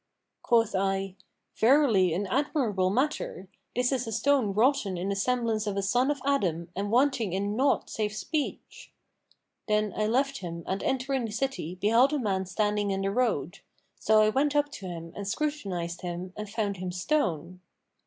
Quoth I, 'Verily an admirable matter! This is a stone wroughten in the semblance of a son of Adam and wanting in naught save speech!' Then I left him and entering the city, beheld a man standing in the road; so I went up to him and scrutinised him and found him stone.